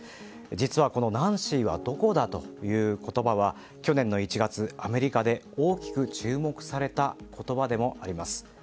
実は、このナンシーはどこだという言葉は去年の１月、アメリカで大きく注目された言葉でもあります。